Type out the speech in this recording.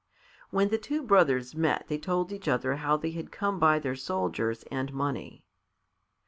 When the two brothers met they told each other how they had come by their soldiers and money.